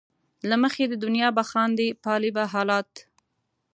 له مخې د دنیا به خاندې ،پالې به حالات